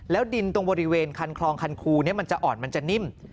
ดินตรงบริเวณคันคลองคันคูนี้มันจะอ่อนมันจะนิ่ม